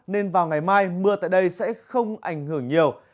nên vào ngày mai mưa tại đây sẽ không ảnh hưởng nhiều